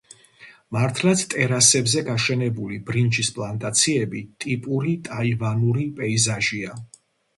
მართლაც, ტერასებზე გაშენებული ბრინჯის პლანტაციები ტიპური ტაივანური პეიზაჟია.